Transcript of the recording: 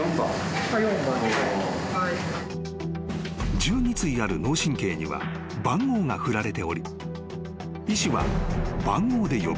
［１２対ある脳神経には番号が振られており医師は番号で呼ぶ。